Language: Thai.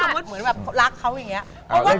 เหมือนเหมือนแบบรักเขาอย่างเนี่ย